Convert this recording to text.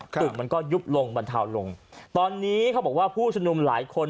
กลุ่มมันก็ยุบลงบรรเทาลงตอนนี้เขาบอกว่าผู้ชมนุมหลายคน